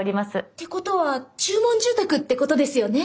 ってことは注文住宅ってことですよね？